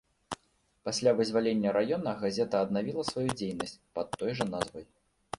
Пасля вызвалення раёна газета аднавіла сваю дзейнасць пад той жа назвай.